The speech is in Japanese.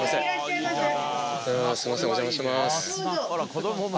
すいませんお邪魔します。